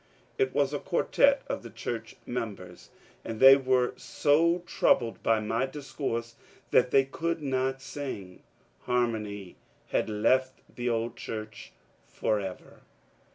It was a quartette of church members, and they were so troubled by my discourse that they could not sing. Harmony had left the old church forever.